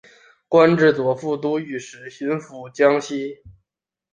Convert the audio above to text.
官至左副都御史巡抚江西。